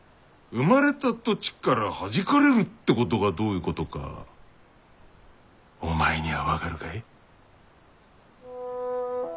生まれた土地からはじかれるってことがどういうことかお前には分かるかい？